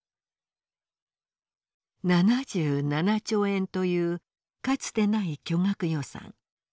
７７兆円というかつてない巨額予算。